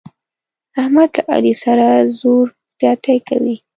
احمد له علي سره زور زیاتی کوي.